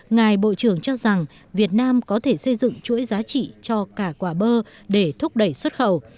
ngài bộ trưởng cho rằng việt nam có thể xây dựng chuỗi giá trị cho cả quả bơ để thúc đẩy xuất khẩu